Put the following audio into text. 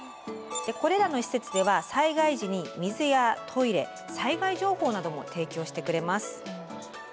これらの施設では災害時に水やトイレ災害情報なども提供してくれます。